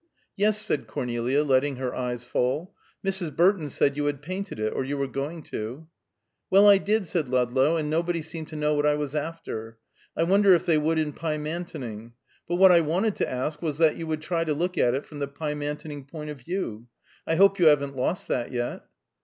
"Yes," said Cornelia, letting her eyes fall, "Mrs. Burton said you had painted it, or you were going to." "Well, I did," said Ludlow, "and nobody seemed to know what I was after. I wonder if they would in Pymantoning! But what I wanted to ask was that you would try to look at it from the Pymantoning point of view. I hope you haven't lost that yet?"